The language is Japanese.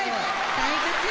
大活躍。